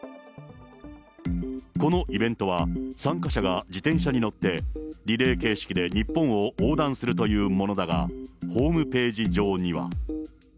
このイベントは、参加者が自転車に乗って、リレー形式で日本を横断するというものだが、ホームページ上には。